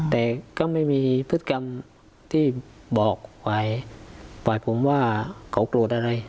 แต่ก็ไม่มีพฤติกรรมที่บอกฝ่ายฝ่ายผมว่าเขาโกรธอะไร